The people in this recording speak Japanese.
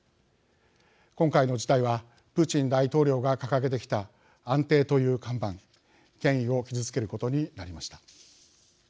今回の事態はプーチン大統領が掲げてきた安定という看板権威を傷つけることになりました。